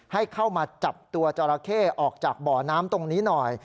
ให้เข้ามาจับตัวจราเข้ออกจากบ่อน้ำตรงนี้หน่อย